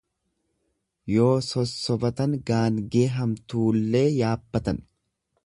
Yoo sossobatan gaangee hamtuullee yaabbatan.